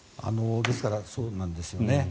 ですからそうなんですよね。